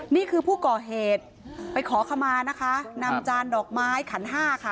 นี่คือผู้ก่อเหตุไปขอขมานะคะนำจานดอกไม้ขันห้าค่ะ